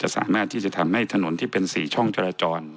สามารถที่จะทำให้ถนนที่เป็น๔ช่องจราจร